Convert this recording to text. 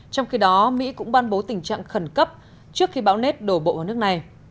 trong khi đó mỹ cũng ban bố tình trạng khẩn cấp trước khi bão net đổ bộ vào nước này